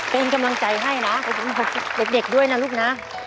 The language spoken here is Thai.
เป็นกำลังใจให้นะขอบคุณเด็กด้วยนะลูกนะ